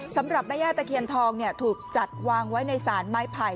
สำหรับแม่ย่าตะเคียนทองถูกจัดวางไว้ในสารไม้ไผ่